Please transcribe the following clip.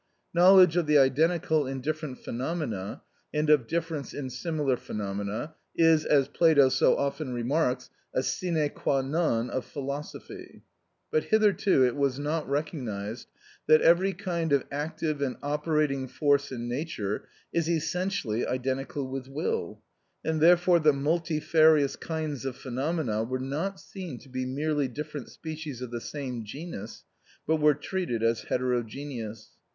Knowledge of the identical in different phenomena, and of difference in similar phenomena, is, as Plato so often remarks, a sine qua non of philosophy. But hitherto it was not recognised that every kind of active and operating force in nature is essentially identical with will, and therefore the multifarious kinds of phenomena were not seen to be merely different species of the same genus, but were treated as heterogeneous.